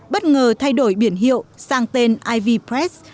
bất ngờ thay đổi biển hiệu sang tên iv press